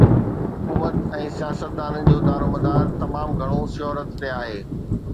حڪومت ۽ سياستدانن جو دارومدار تمام گهڻو شهرت تي آهي.